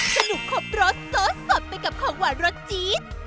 สนุกขบรสโซ่สดไปกับของหวานรสจี๊ด